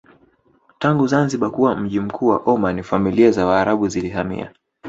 Tangu Zanzibar kuwa mji mkuu wa Omani familia za waarabu zilihamia